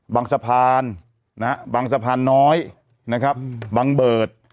บางสะพานนะฮะบางสะพานน้อยนะครับบังเบิร์ต